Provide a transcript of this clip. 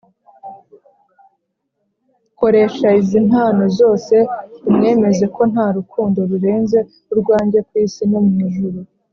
. Koresha izi mpano zose umwemeze ko nta rukundo rurenze urwanjye ku isi no mu ijuru